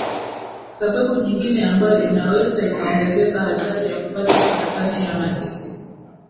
sababu nyingine ambayo inaweza ikaongeza hatari ya kupata saratani ya matiti